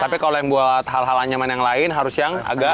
tapi kalau yang buat hal hal anyaman yang lain harus yang agak